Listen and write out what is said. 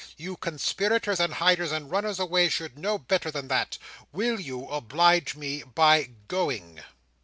You conspirators, and hiders, and runners away, should know better than that. Will you oblige me by going?"